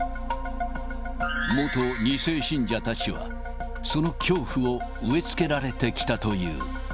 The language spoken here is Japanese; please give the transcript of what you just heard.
元２世信者たちは、その恐怖を植え付けられてきたという。